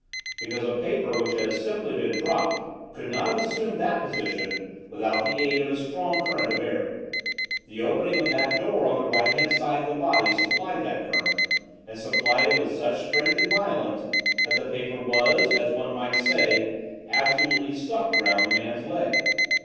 "Because a paper which has simply been dropped could not have assumed that position without the aid of a strong current of air. The opening of that door on the right hand side of the body supplied that current, and supplied it with such strength and violence that the paper was, as one might say, absolutely sucked round the man's leg.